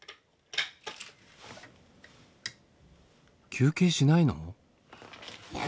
休憩しないの？